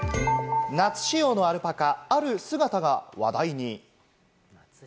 夏仕様のアルパカ、ある姿が話題に。